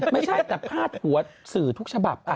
ไม่ใช่แต่พาดหัวสื่อทุกฉบับ